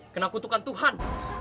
kena kutukan tuhan